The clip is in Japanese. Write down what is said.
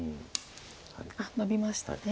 ノビましたね。